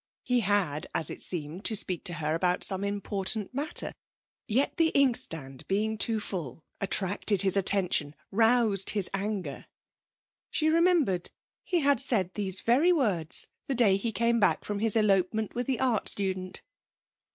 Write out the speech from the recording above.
He had, as it seemed, to speak to her about some important matter. Yet the inkstand being too full attracted his attention, roused his anger! She remembered he had said these very words the day he came back from his elopement with the art student.